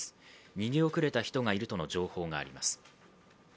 逃げ遅れた人がいるとの情報があります。